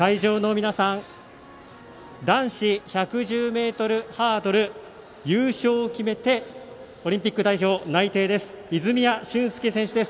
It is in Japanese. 男子１１０ｍハードル優勝を決めてオリンピック代表内定泉谷駿介選手です。